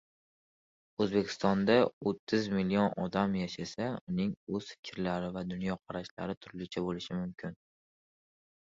Oʻzbekistonda o‘ttiz million odam yashasa, ularning oʻy fikrlari va dunyoqarashlari turlicha boʻlishi mumkin.